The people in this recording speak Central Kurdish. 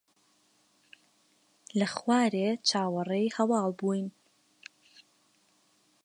لە خوارێ چاوەڕێی هەواڵ بووین.